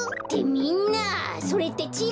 みんなそれってちぃ